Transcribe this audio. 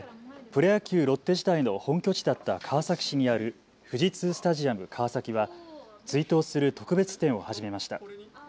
プロ野球ロッテ時代の本拠地だった川崎市にある富士通スタジアム川崎は追悼する特別展を始めました。